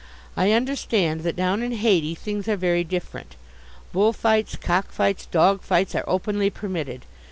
I understand that down in Hayti things are very different. Bull fights, cock fights, dog fights, are openly permitted.